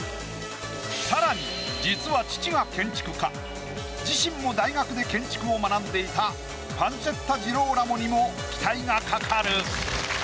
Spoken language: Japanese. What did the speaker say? さらに実は父が建築家自身も大学で建築を学んでいたパンツェッタジローラモにも期待がかかる。